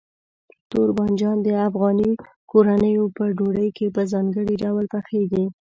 تور بانجان د افغاني کورنیو په ډوډۍ کې په ځانګړي ډول پخېږي.